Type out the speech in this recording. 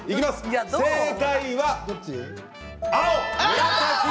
正解は青。